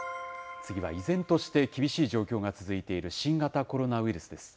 次は、依然として厳しい状況が続いている新型コロナウイルスです。